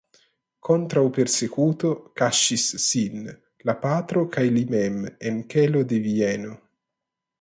Kontraŭ persekuto kaŝis sin la patro kaj li mem en kelo de Vieno.